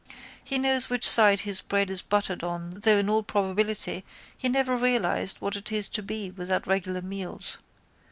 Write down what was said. He knows which side his bread is buttered on though in all probability he never realised what it is to be without regular meals.